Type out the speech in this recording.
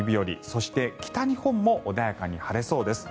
そして北日本も穏やかに晴れそうです。